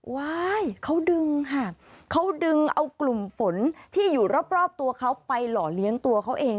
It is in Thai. เขาดึงค่ะเขาดึงเอากลุ่มฝนที่อยู่รอบตัวเขาไปหล่อเลี้ยงตัวเขาเอง